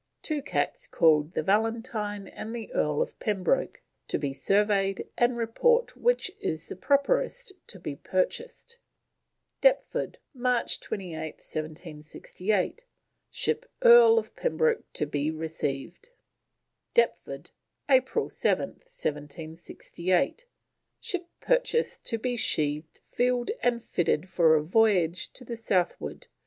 Two cats called the Valentine and the Earl of Pembroke to be surveyed and report which is the properest to be purchased." "Deptford, March 28th 1768. Ship Earl of Pembroke to be received." "Deptford, April 7th 1768. Ship purchased to be sheathed, filled, and fitted for a voyage to the southward.